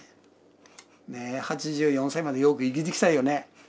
ねえ８４歳までよく生きてきたよね。